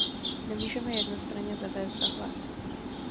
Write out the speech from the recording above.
Nemůžeme jednostranně zavést dohled.